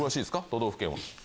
都道府県は。